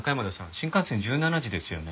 新幹線１７時ですよね？